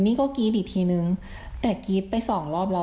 มีแต่เสียงตุ๊กแก่กลางคืนไม่กล้าเข้าห้องน้ำด้วยซ้ำ